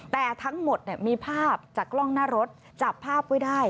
แต่ทั้งหมดมีภาพจากกล้องหน้ารถจับภาพไว้ได้